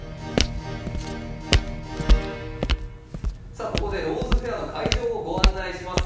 さあここで「ローズフェア」の会場をご案内します。